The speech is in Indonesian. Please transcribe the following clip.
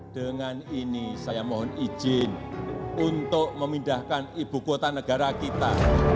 dengan ini saya mohon izin untuk memindahkan ibu kota negara kita